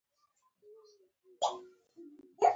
شفتالو د اوړي یوه ښکلې میوه ده.